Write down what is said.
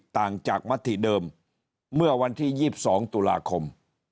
ต่างจากมติเดิมเมื่อวันที่๒๒ตุลาคม